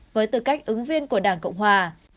với tư cách ứng viên của đảng cộng hòa